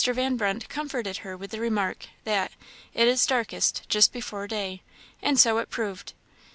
Van Brunt comforted her with the remark, that "it is darkest just before day;" and so it proved.